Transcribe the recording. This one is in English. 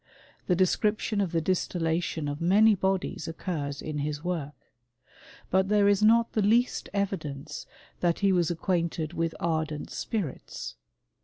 The description of the distillation of many bodies occurs in his work ; but there is not the least evidence that he was acquainted with ardent spirits.